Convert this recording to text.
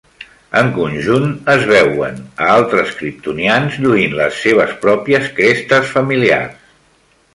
En conjunt, es veuen a altres kriptonians lluint les seves pròpies crestes familiars.